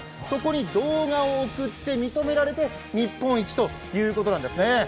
そこに動画を送って認められて日本一ということなんです。